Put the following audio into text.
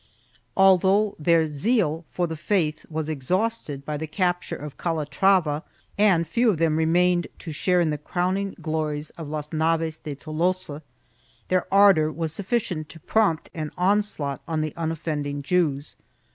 Al though their zeal for the faith was exhausted by the capture of Calatrava and few of them remained to share in the crown ing glories of Las Navas de Tolosa, their ardor was sufficient to prompt an onslaught on the unoffending Jews.